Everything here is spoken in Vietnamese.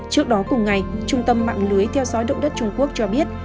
trước đó cùng ngày trung tâm mạng lưới theo dõi động đất trung quốc cho biết